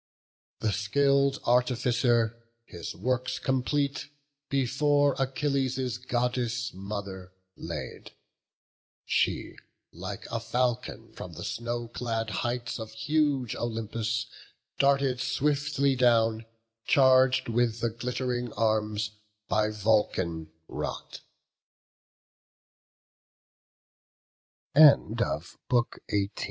The skill'd artificer his works complete Before Achilles' Goddess mother laid: She, like a falcon, from the snow clad heights Of huge Olympus, darted swiftly down, Charg'd with the glitt'ring arms by Vulcan wrought. ARGUMENT. THE RECONCIL